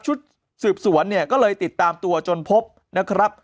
ชุดสืบสวนเนี่ยก็เลยติดตามตัวจนพบนะครับ